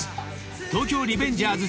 ［『東京リベンジャーズ